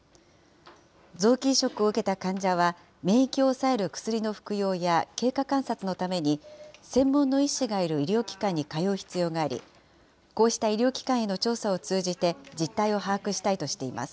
臓器移植を受けた患者は、免疫を抑える薬の服用や経過観察のために、専門の医師がいる医療機関に通う必要があり、こうした医療機関への調査を通じて実態を把握したいとしています。